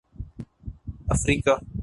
افریقہ